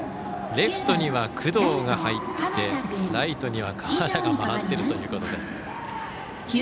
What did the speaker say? レフトには工藤が入ってライトには河田が回っているということで。